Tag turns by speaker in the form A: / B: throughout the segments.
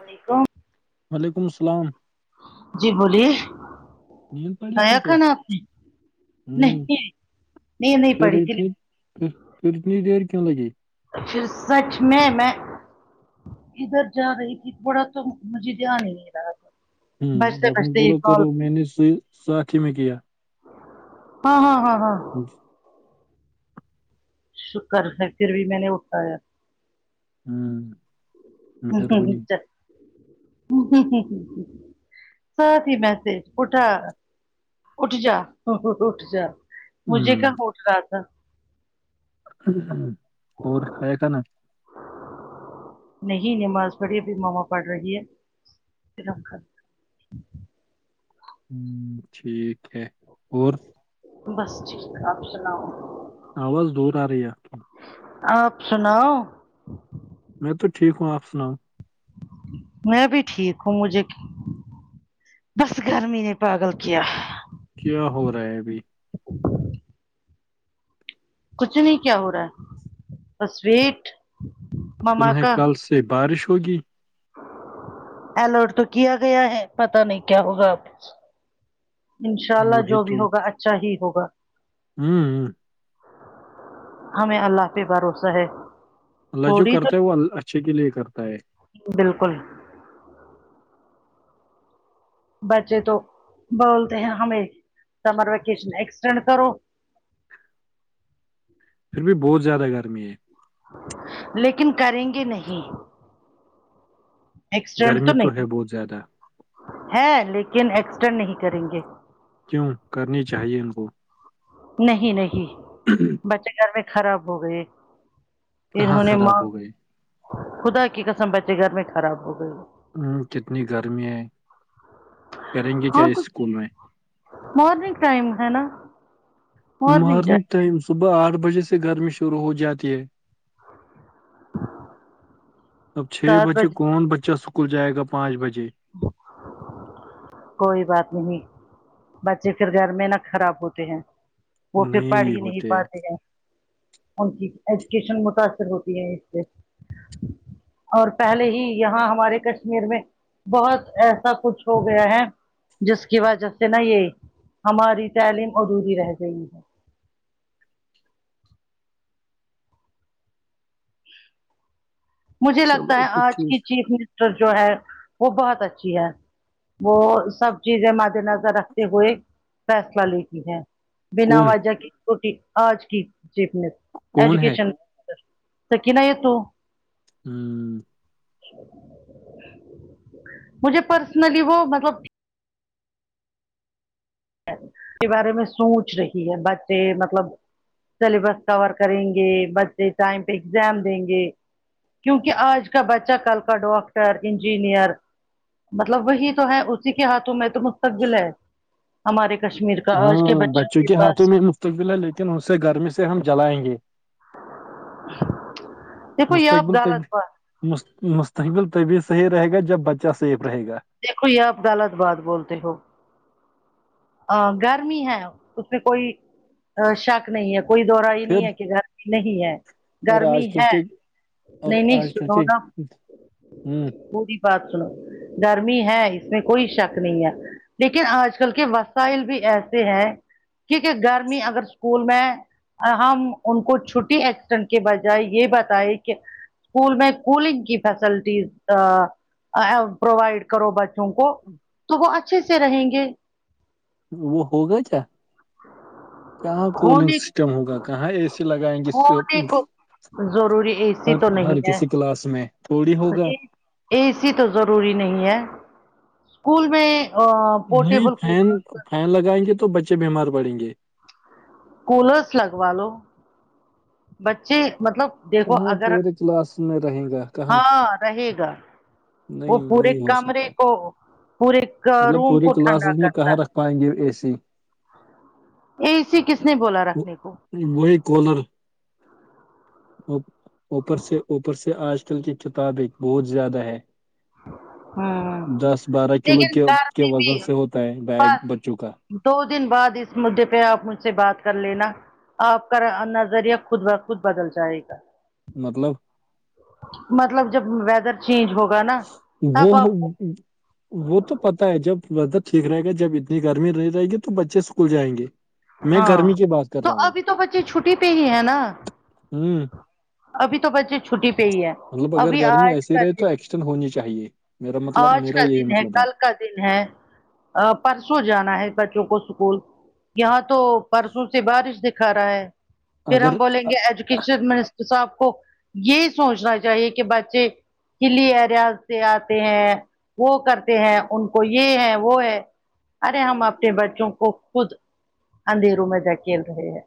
A: السلام علیکم
B: وعلیکم السلام
A: جی بولیے
B: نیند پڑی ھی
A: کھایا
B: کیا ہے
A: کھانا آپ نے
B: ہ
A: نہیں نہیں نہیں
B: پھر
A: پڑی تھی
B: اتنیھر پھر اتنی دیر کیوں لگی
A: پھر سچ میں میں ادھر جا رہی تھی بڑا تو مجھے دھیان ہی نہیں رہا
B: ہوں
A: بجتے
B: آپ نے
A: بجتے یہ
B: بولا
A: کال
B: کرو میں نے س ساکھی میں کیا
A: ہاں ہاں ہاں ہاں
B: جی
A: شکر ہے پھر بھی میں نے اٹھایا
B: ہوں
A: ہ ہ ہ ہ ہ ہ ہ سھی میسج اٹھا اھ جا اٹھ جا مجھے کہاں
B: ہوں
A: ہوٹ رہا تھا
B: اور ہے ک نا [unintelligible]
A: نہیں نماز پڑھیے پھر ماما پڑھ رہی ہے کر
B: ہوں ٹھیک ہے اور
A: بس ٹھیک ہے آپشناؤ
B: آواز دور آ رہی ہے
A: آپ سناؤ
B: میں تو ٹھیک ہوں آپ سناؤ
A: میں بھی ٹھیک ہوں مجھے بس گرمی نے پاگل کیا
B: کیا ہو رہا ہے ابھی
A: کچھ نہیں کیا ہو رہا ہے ب سویٹ
B: تمہیں کل سے بارش ہوگی
A: الرٹ تو کیا گیا ہے پتا نہیں کیا ہوگا اب انشاء اللہ
B: وہی
A: جو بھی
B: تو
A: ہوگا اچھا ہی ہوگا
B: ہوں
A: ہمیں اللہ پہ بھروسہ ہے
B: اللہ جو
A: تھوڑی تو
B: کرتا ہے وہ ال اچھے کے لیے کرتا ہے
A: بالکل بچے تو بولتے ہیں ہمیں سمر ویکیشن ایکسٹینڈ کرو
B: پھر بھی بہت زیادہ گرمی ہے
A: لیکن کریں گے نہیں ایکسٹینڈ
B: گرمی تو ہے
A: نہیں
B: بہت زیادہ
A: ہے لیکن ایکسٹرا نہیں کریں گے
B: کیوں کرنی چاہیے ان کو
A: نہیں نہیں بچے گھر میں خراب ہو گئے
B: کہاں
A: انہوں نے
B: خراب
A: ماں
B: ہو گئی
A: خدا کی قسم بچے گھر میں خراب ہو گئی
B: ہوں کتنی گرمی ہے کریں گے کیا اس اسکول میں
A: مورنگ ٹائم ہے نا
B: مارننگ ٹائم صبح آٹھ بجے سے گرمی شروع ہو جاتی ہے اب چھ بجے کون بچہ اسکول جائے گا پانچ بجے [inaudible]
A: کوئی بات نہیں بچے پھر گھر میں نہا خراب ہوتے ہیں وہ پھر پڑ ہی نہیں پاتے ہیں ان کی ایجوکیشن متاثر ہوتی ہے اس سے اور پہلے ہی یہاں ہمارے کشمیر میں بہت ایسا کچھ ہو گیا ہے جس کی وجہ سے نا یہ ہماری تعلیم ادھوری رہ گئی ہے مجھے لگتا
B: چلو
A: ہے
B: پھر
A: آج
B: ٹھیک
A: کی چیف منسٹر جو ہے وہ بہت اچھی ہے وہ سب چیزیں مد نظر رکھتے ہوئے فیصلہ لیتی ہے بنا
B: کون
A: وجہ کی چوٹی آج کی ج
B: کون ہے
A: ایجوکیشن توک نہیں یہ تو
B: ہوں
A: مجھے پرسنلی وہ مطلب کے بارے میں سوچ رہی ہے بچے مطلب سلیبس کور کریں گے بچے ٹائم پہ ایگزام دیں گے کیونکہ آج کا بچہ کل کا ڈاکٹر انجینئر مطلب وہی تو ہے اسی کے ہاتھوں میں تو مستقبل ہے ہمارے کشمیر کا آج
B: ہاں
A: کے
B: بچوں کے ہاتھوں
A: پاس
B: میں مستتقبل ہے لیکن اس سے گرمی سے ہم جلائیں گے
A: [unintelligible]
B: مستقبلبی
A: غلط بات
B: مستقبل طبی صحیح رہے گا جب بچہ سیف رہے گا
A: دیکھو یہ آپ غت بعات بولتے ہو ا گرمی ہے ت کوئی شک نہیں ہے کوئی دورہ یہ
B: پھر
A: نہیں ہے کہ گرمی نہیں ہے
B: اور
A: گرمی
B: آج کل
A: ہے
B: کے اور
A: نہیں نہیں
B: آج
A: سنو نا پوری بات سنو گرمی ہے اس میں کوئی شک نہیں ہے لیکن آج کل کے وس بھی ایسے ہیں کیونکہ گرمی اگر اسکول میں ہم ان کو چھٹی ایکسیڈنٹ کے بجائے یہ بتائے کہ اسکول میں کولنگ کی فیسلٹیز پرووائڈ کرو بچوں کو تو وہ اچھے سے رہیں گے
B: وہ ہو گیا کیا کہاں کولنگ
A: ہونے
B: سسٹم ہوگا کہاں اے سی لگائیں گے
A: ہونے کو ضروری ا سی
B: ہر
A: تو نہیں
B: ہر
A: ہے
B: کسی کلاس میں تھوڑی ہوگا
A: اے سی تو ضروری نہیں ہے اسکول میں
B: نہیں
A: پورٹیبل
B: فین
A: کولر
B: فین لگائیں گے تو بچے بیمار پڑیں گے
A: کولرس لگوا لو بچے مطلب دیکھو
B: کہاں
A: اگر
B: پورے کلاس میں رہے گا کہاں
A: ہاں رہے گا وہ
B: نہیں
A: پورے
B: نہیں ہو
A: کمرے
B: سکتا
A: کو پورے
B: مطلب
A: روم
B: پوری
A: کو ٹھنڈا
B: کلاسز میں
A: کرتا
B: کہاں
A: ہے
B: رکھ پائیں گے اے سی
A: اسی کس نے بولا
B: وہ-
A: رکھنے کو
B: وہی کوالر اوپر سے اوپر سے آج کل کی کتابیں بہت زیادہ ہے
A: ہوں
B: دس بارہ کلو
A: لیکن
B: کے
A: گھر
B: کے
A: میں
B: وزن
A: بھی
B: سے ہوتا ہے بیگ بچوں کا
A: بس دو دن بعد اس مدعے پہ آپ مجھ سے بات کر لینا آپ کا نظریہ خود بخود بدل جائے گا
B: مطلب
A: مطلب جب ویدر چینج ہوگا نا
B: وہ
A: تب آپ
B: وہ تو پتتا ہے جب ویدر ٹھیک رہے گا جب اتنی گرمی نہیں رہے گی تو بچے اسکول جائیں گے میں
A: ہاں
B: گرمی کی بات کر
A: تو
B: رہا ہوں
A: ابھی تو بچے چھٹی پہ ہی ہے نا
B: ہوں
A: ابھی تو بچے چھٹی پہ ہی ہے
B: مطلب اگر
A: ابھی
B: گرمی
A: آج
B: ایسی
A: کا
B: رہے تو
A: دن
B: ایکسٹینڈ ہونی چاہیے میرا مطلب
A: آج
B: میرا
A: کا
B: یہی
A: دن
B: مطلب ہے
A: کل کا دن ہے پرسوں جانا ہے بچوں کو اسکول یہاں تو پرسوں سے بارش دکھا رہا ہے پھر
B: اگر
A: ہم بولیں گے ایج مٹر صاحب کو یہی سوچنا چاہیے کہ بچے کلی ایریاز سے آتے ہیں وہ کرتے ہیں ان کو یہ ہے وہ ہے ارے ہم اپنے بچوں کو خود اندھیروں میں جاکل رہے ہیں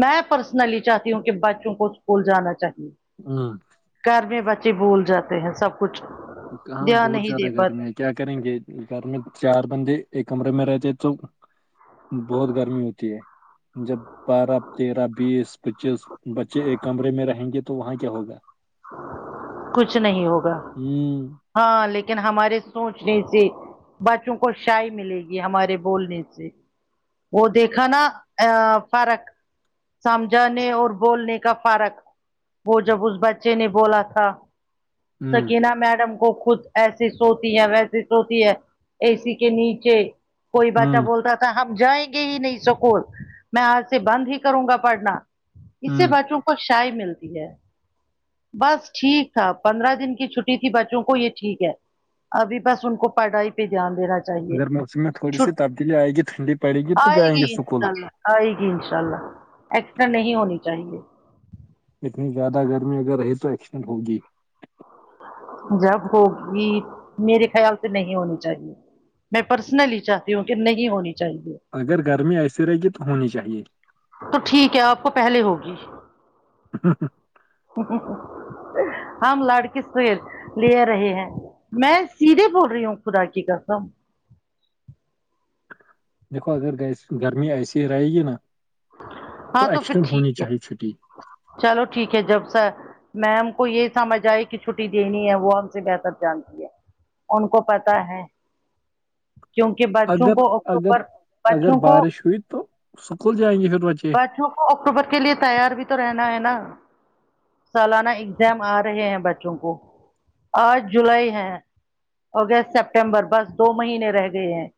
A: میں پرسنلی چاہتی ہوں کہ بچوں کو اسکول جانا چاہیے
B: ہاں
A: گھر میں بچے بول جاتے ہیں سب کچھ
B: ہاں
A: دھیان
B: بہت
A: نہیں
B: زیادہ
A: دے پاتے
B: گرمیں کیا کریں گے گھر میں چار بندے ایک کمرے میں رہتے تو بہت گرمی ہوتی ہے جب بارہ تیرہ بیس پچیس بچے ایک کمرے میں رہیں گے تو وہاں کیا ہوگا
A: کچھ نہیں ہوگا
B: جی
A: ہاں لیکن ہمارے سوچنے سے بچوں کو شی ملے گی ہمارے بولنے سے وہ دیکھا نا فرق سمجھانے اور بولنے کا فارق وہ جب اس بچے نے بولا تھا
B: ہوں
A: سکین میڈم کو خود ایسی سوتی ہے ویسی سوتی ہے اے سی کے نیچے کوئی بچہ
B: ہوں
A: بولتا ہم جائیں گے ہی نہیں سکول میں آج سے بند ہی کروں گا پڑھنا اس سے
B: ہوں
A: بچوں کو شائی ملتی ہے بس ٹھیک تھا پندرہ دن کی چھٹی تھی بچوں کو یہ ٹھیک ہے ابھی بس ان کو پڑھائی پہ دھیان رہا ہے
B: اگر موسم میں تھوڑی سی تبدیلی آئے گی ٹھنڈی پڑے گی تو
A: آئے
B: جائیں گے
A: گی
B: سکول
A: انشاء اللہ آئے گی ان شاء اللہ ایکسیڈنٹ نہیں ہونی چاہیے
B: اتنی زیادہ گرمی اگر رہے تو ایکسیڈنٹ ہوگی
A: جب ہوگی میرے خیال سے نہیں ہونی چاہیے میں پرسنلی چاہتی ہوں کہ نہیں ہونی چاہیے
B: اگر گرمی ایسی رہے گی تو ہونی چاہیے
A: تو ٹھیک ہے آپ کو پہلے ہوگی
B: ہاں
A: ہم لڑکی سیر لے رہے ہیں میں سیدھے بول رہی ہوں خدا کی کرسم
B: دیکھو اگر گرمی ایسی رہے گی نا تو
A: ہاں پھر
B: ایکسیڈینڈ
A: ٹھیک
B: ہونی
A: ہے
B: چاہیے چھٹی
A: چلو ٹھیک ہے جب سا میم کو یہ سمجھ آئے کہ چھٹی دینی ہے وہ ہم سے بہتر جانتی ہے ان کو پتا ہے کیونکہ بچوں کو اکتوبر بچوں کو
B: سئی تو اسکول جائیں گے پھر بچے
A: بچوں کو اکتوبر کے لیے تیار بھی تو رہنا ہے نا سالانہ ایگزام آ رہے ہیں بچوں کو آج جولائی ہے اگست سپٹمبر بس دو مہینے رہ گئے ہیں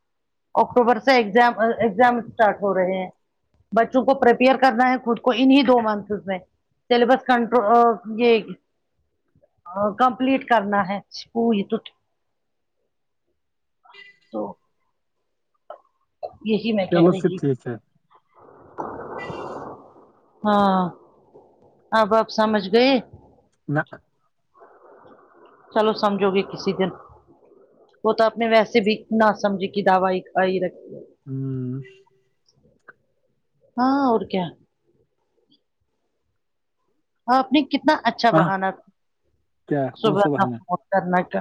A: اکٹوبر سے ایگزام ایگزام اسٹارٹ ہو رہے ہیں بچوں کو پرریپیئر کرنا ہے خود کو انیں دو منتھ میں سلیبس کنٹر یہ کمپلیٹ کرنا ہے پج تو تو یہی میں کہہ رہی ہی
B: ہاں
A: ہاں آ بپ سمجھ گئے
B: نہ
A: چلو سمجھو گے کسی دن وہ تو اپنے ویسے بھی نہا سمجھ کی دعو آ ہی رکھی
B: ہوں ہوں
A: ہاں اور کیا ج آپ نے کتنا اچھا
B: ہاں
A: بہانا تھا
B: کیا کون سا
A: صبح
B: بہانا
A: فون کرنا کا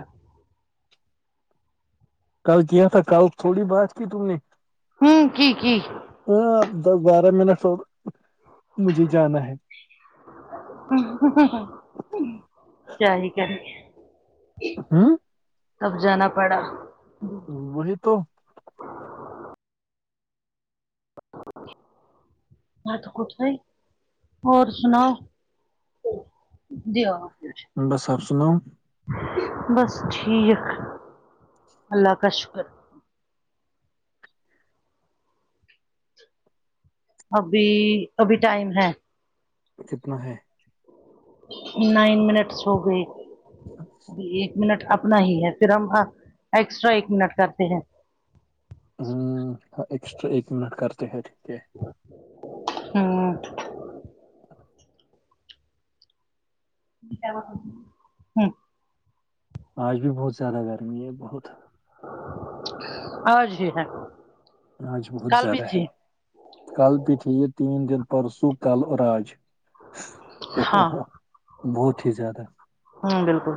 B: کل کیا تھا کل تھوڑی بات کی تم نے
A: ہوں کی کی
B: ہاں آپ دس بارہ منٹ اور مجھے جانا ہے
A: خاری کراری جی
B: ہاں
A: تب جانا پڑا
B: وہولی تو
A: بت کھ سی اور سناؤ جی
B: بس آپ سنؤ
A: بس ٹھیک اللہ کا شکر ابھی ابھی ٹائم ہے
B: جتنا ہے
A: نائن منٹس ہو گئے ابھی ایک منٹ اپنا ہی ہے پھر ہم ایکسٹرا ایک منٹ کرتے ہیں
B: ہوں ایکسٹرا ایک منٹ کرتے ہیں ٹھیک ہے
A: ہوں کیا
B: آج بھی بہت زیادہ گرمی ہے بہت
A: آج ہی ہے
B: آج بہت
A: کل بھی
B: زیادہ ہے
A: تھی
B: کل پ تھی یہ تین دن پرسو کل اور آج اوو
A: ہاں
B: ہوو بہت ہی زیادہ
A: ہوں بالکل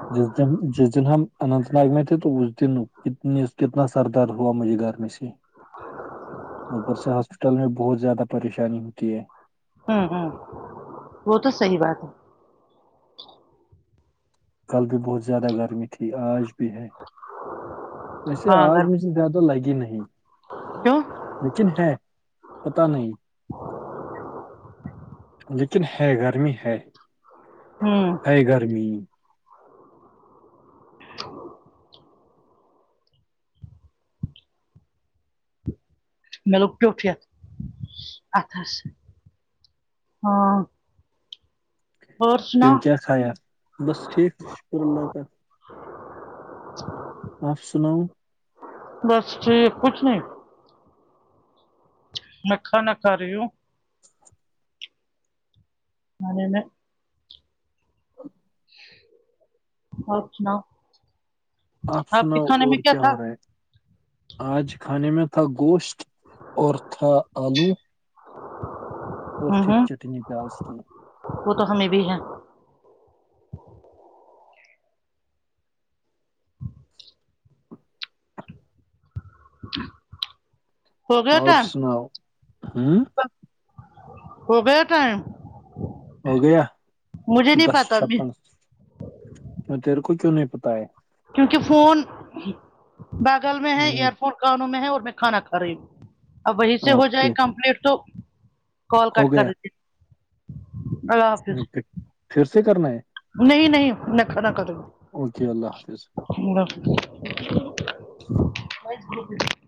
B: جس دن ہم اننت ناگ میں تھے تو اس دن کنی کتنا سردی در ہوا مجھے گھر میں سے
A: جی
B: اوپر سے ہاسپٹل میں بہت زیادہ پریشانی ہوتی ہے
A: ہوں ہوں وہ تو صحی بات ہے
B: کل بھی بہت زیادہ گرمی تھی آج بھی ہے ویسے آج
A: گھر
B: میں زیادہ لگی نہیں
A: ہاں
B: لیکن ہے پت نہیں
A: ا
B: لیکن ہے گرمی ہے
A: ہوں
B: ہے گرمی
A: لوگ وٹھت اھس ہاں اور
B: ون
A: سناؤ
B: کیا خھیایا بس ٹھیک شکر اللہ تالی آپف سنؤ
A: بس ٹھیک کچھ نہیں میںکھا نہ کا رہیوں
B: [unintelligible]
A: ا آ سنا
B: آپ سناؤ اور کیا ہو رہا ہے آج کھانے میں تھا گوشت اور تھا آلو
A: ہوں
B: اورتے
A: ہوں
B: چٹنی پیاز کی
A: وہ تو ہمیں بھی ہے ہو گیا
B: اور
A: ٹائم
B: سناؤ ہوں
A: ہو گیا ٹائم
B: ہو گیا
A: مجھے نہیں
B: دس
A: پتا
B: چھپن وہ تیرے کو کیوں نہیں پت ہے
A: کیونکہ فون بگل میں ہے
B: ہوں
A: ایئر فون کانوں میں ہے اور میں کھانا کھا رہی ہوں اب وہیں سے ہو جائے
B: اوکے
A: کمپلیٹ تو کال
B: ہو
A: کٹ کر
B: گیا
A: لیج
B: پھر سے کرنا ہے
A: نہیں نہیں خا نہ کوں
B: اوکے اللہ حافظ
A: فظ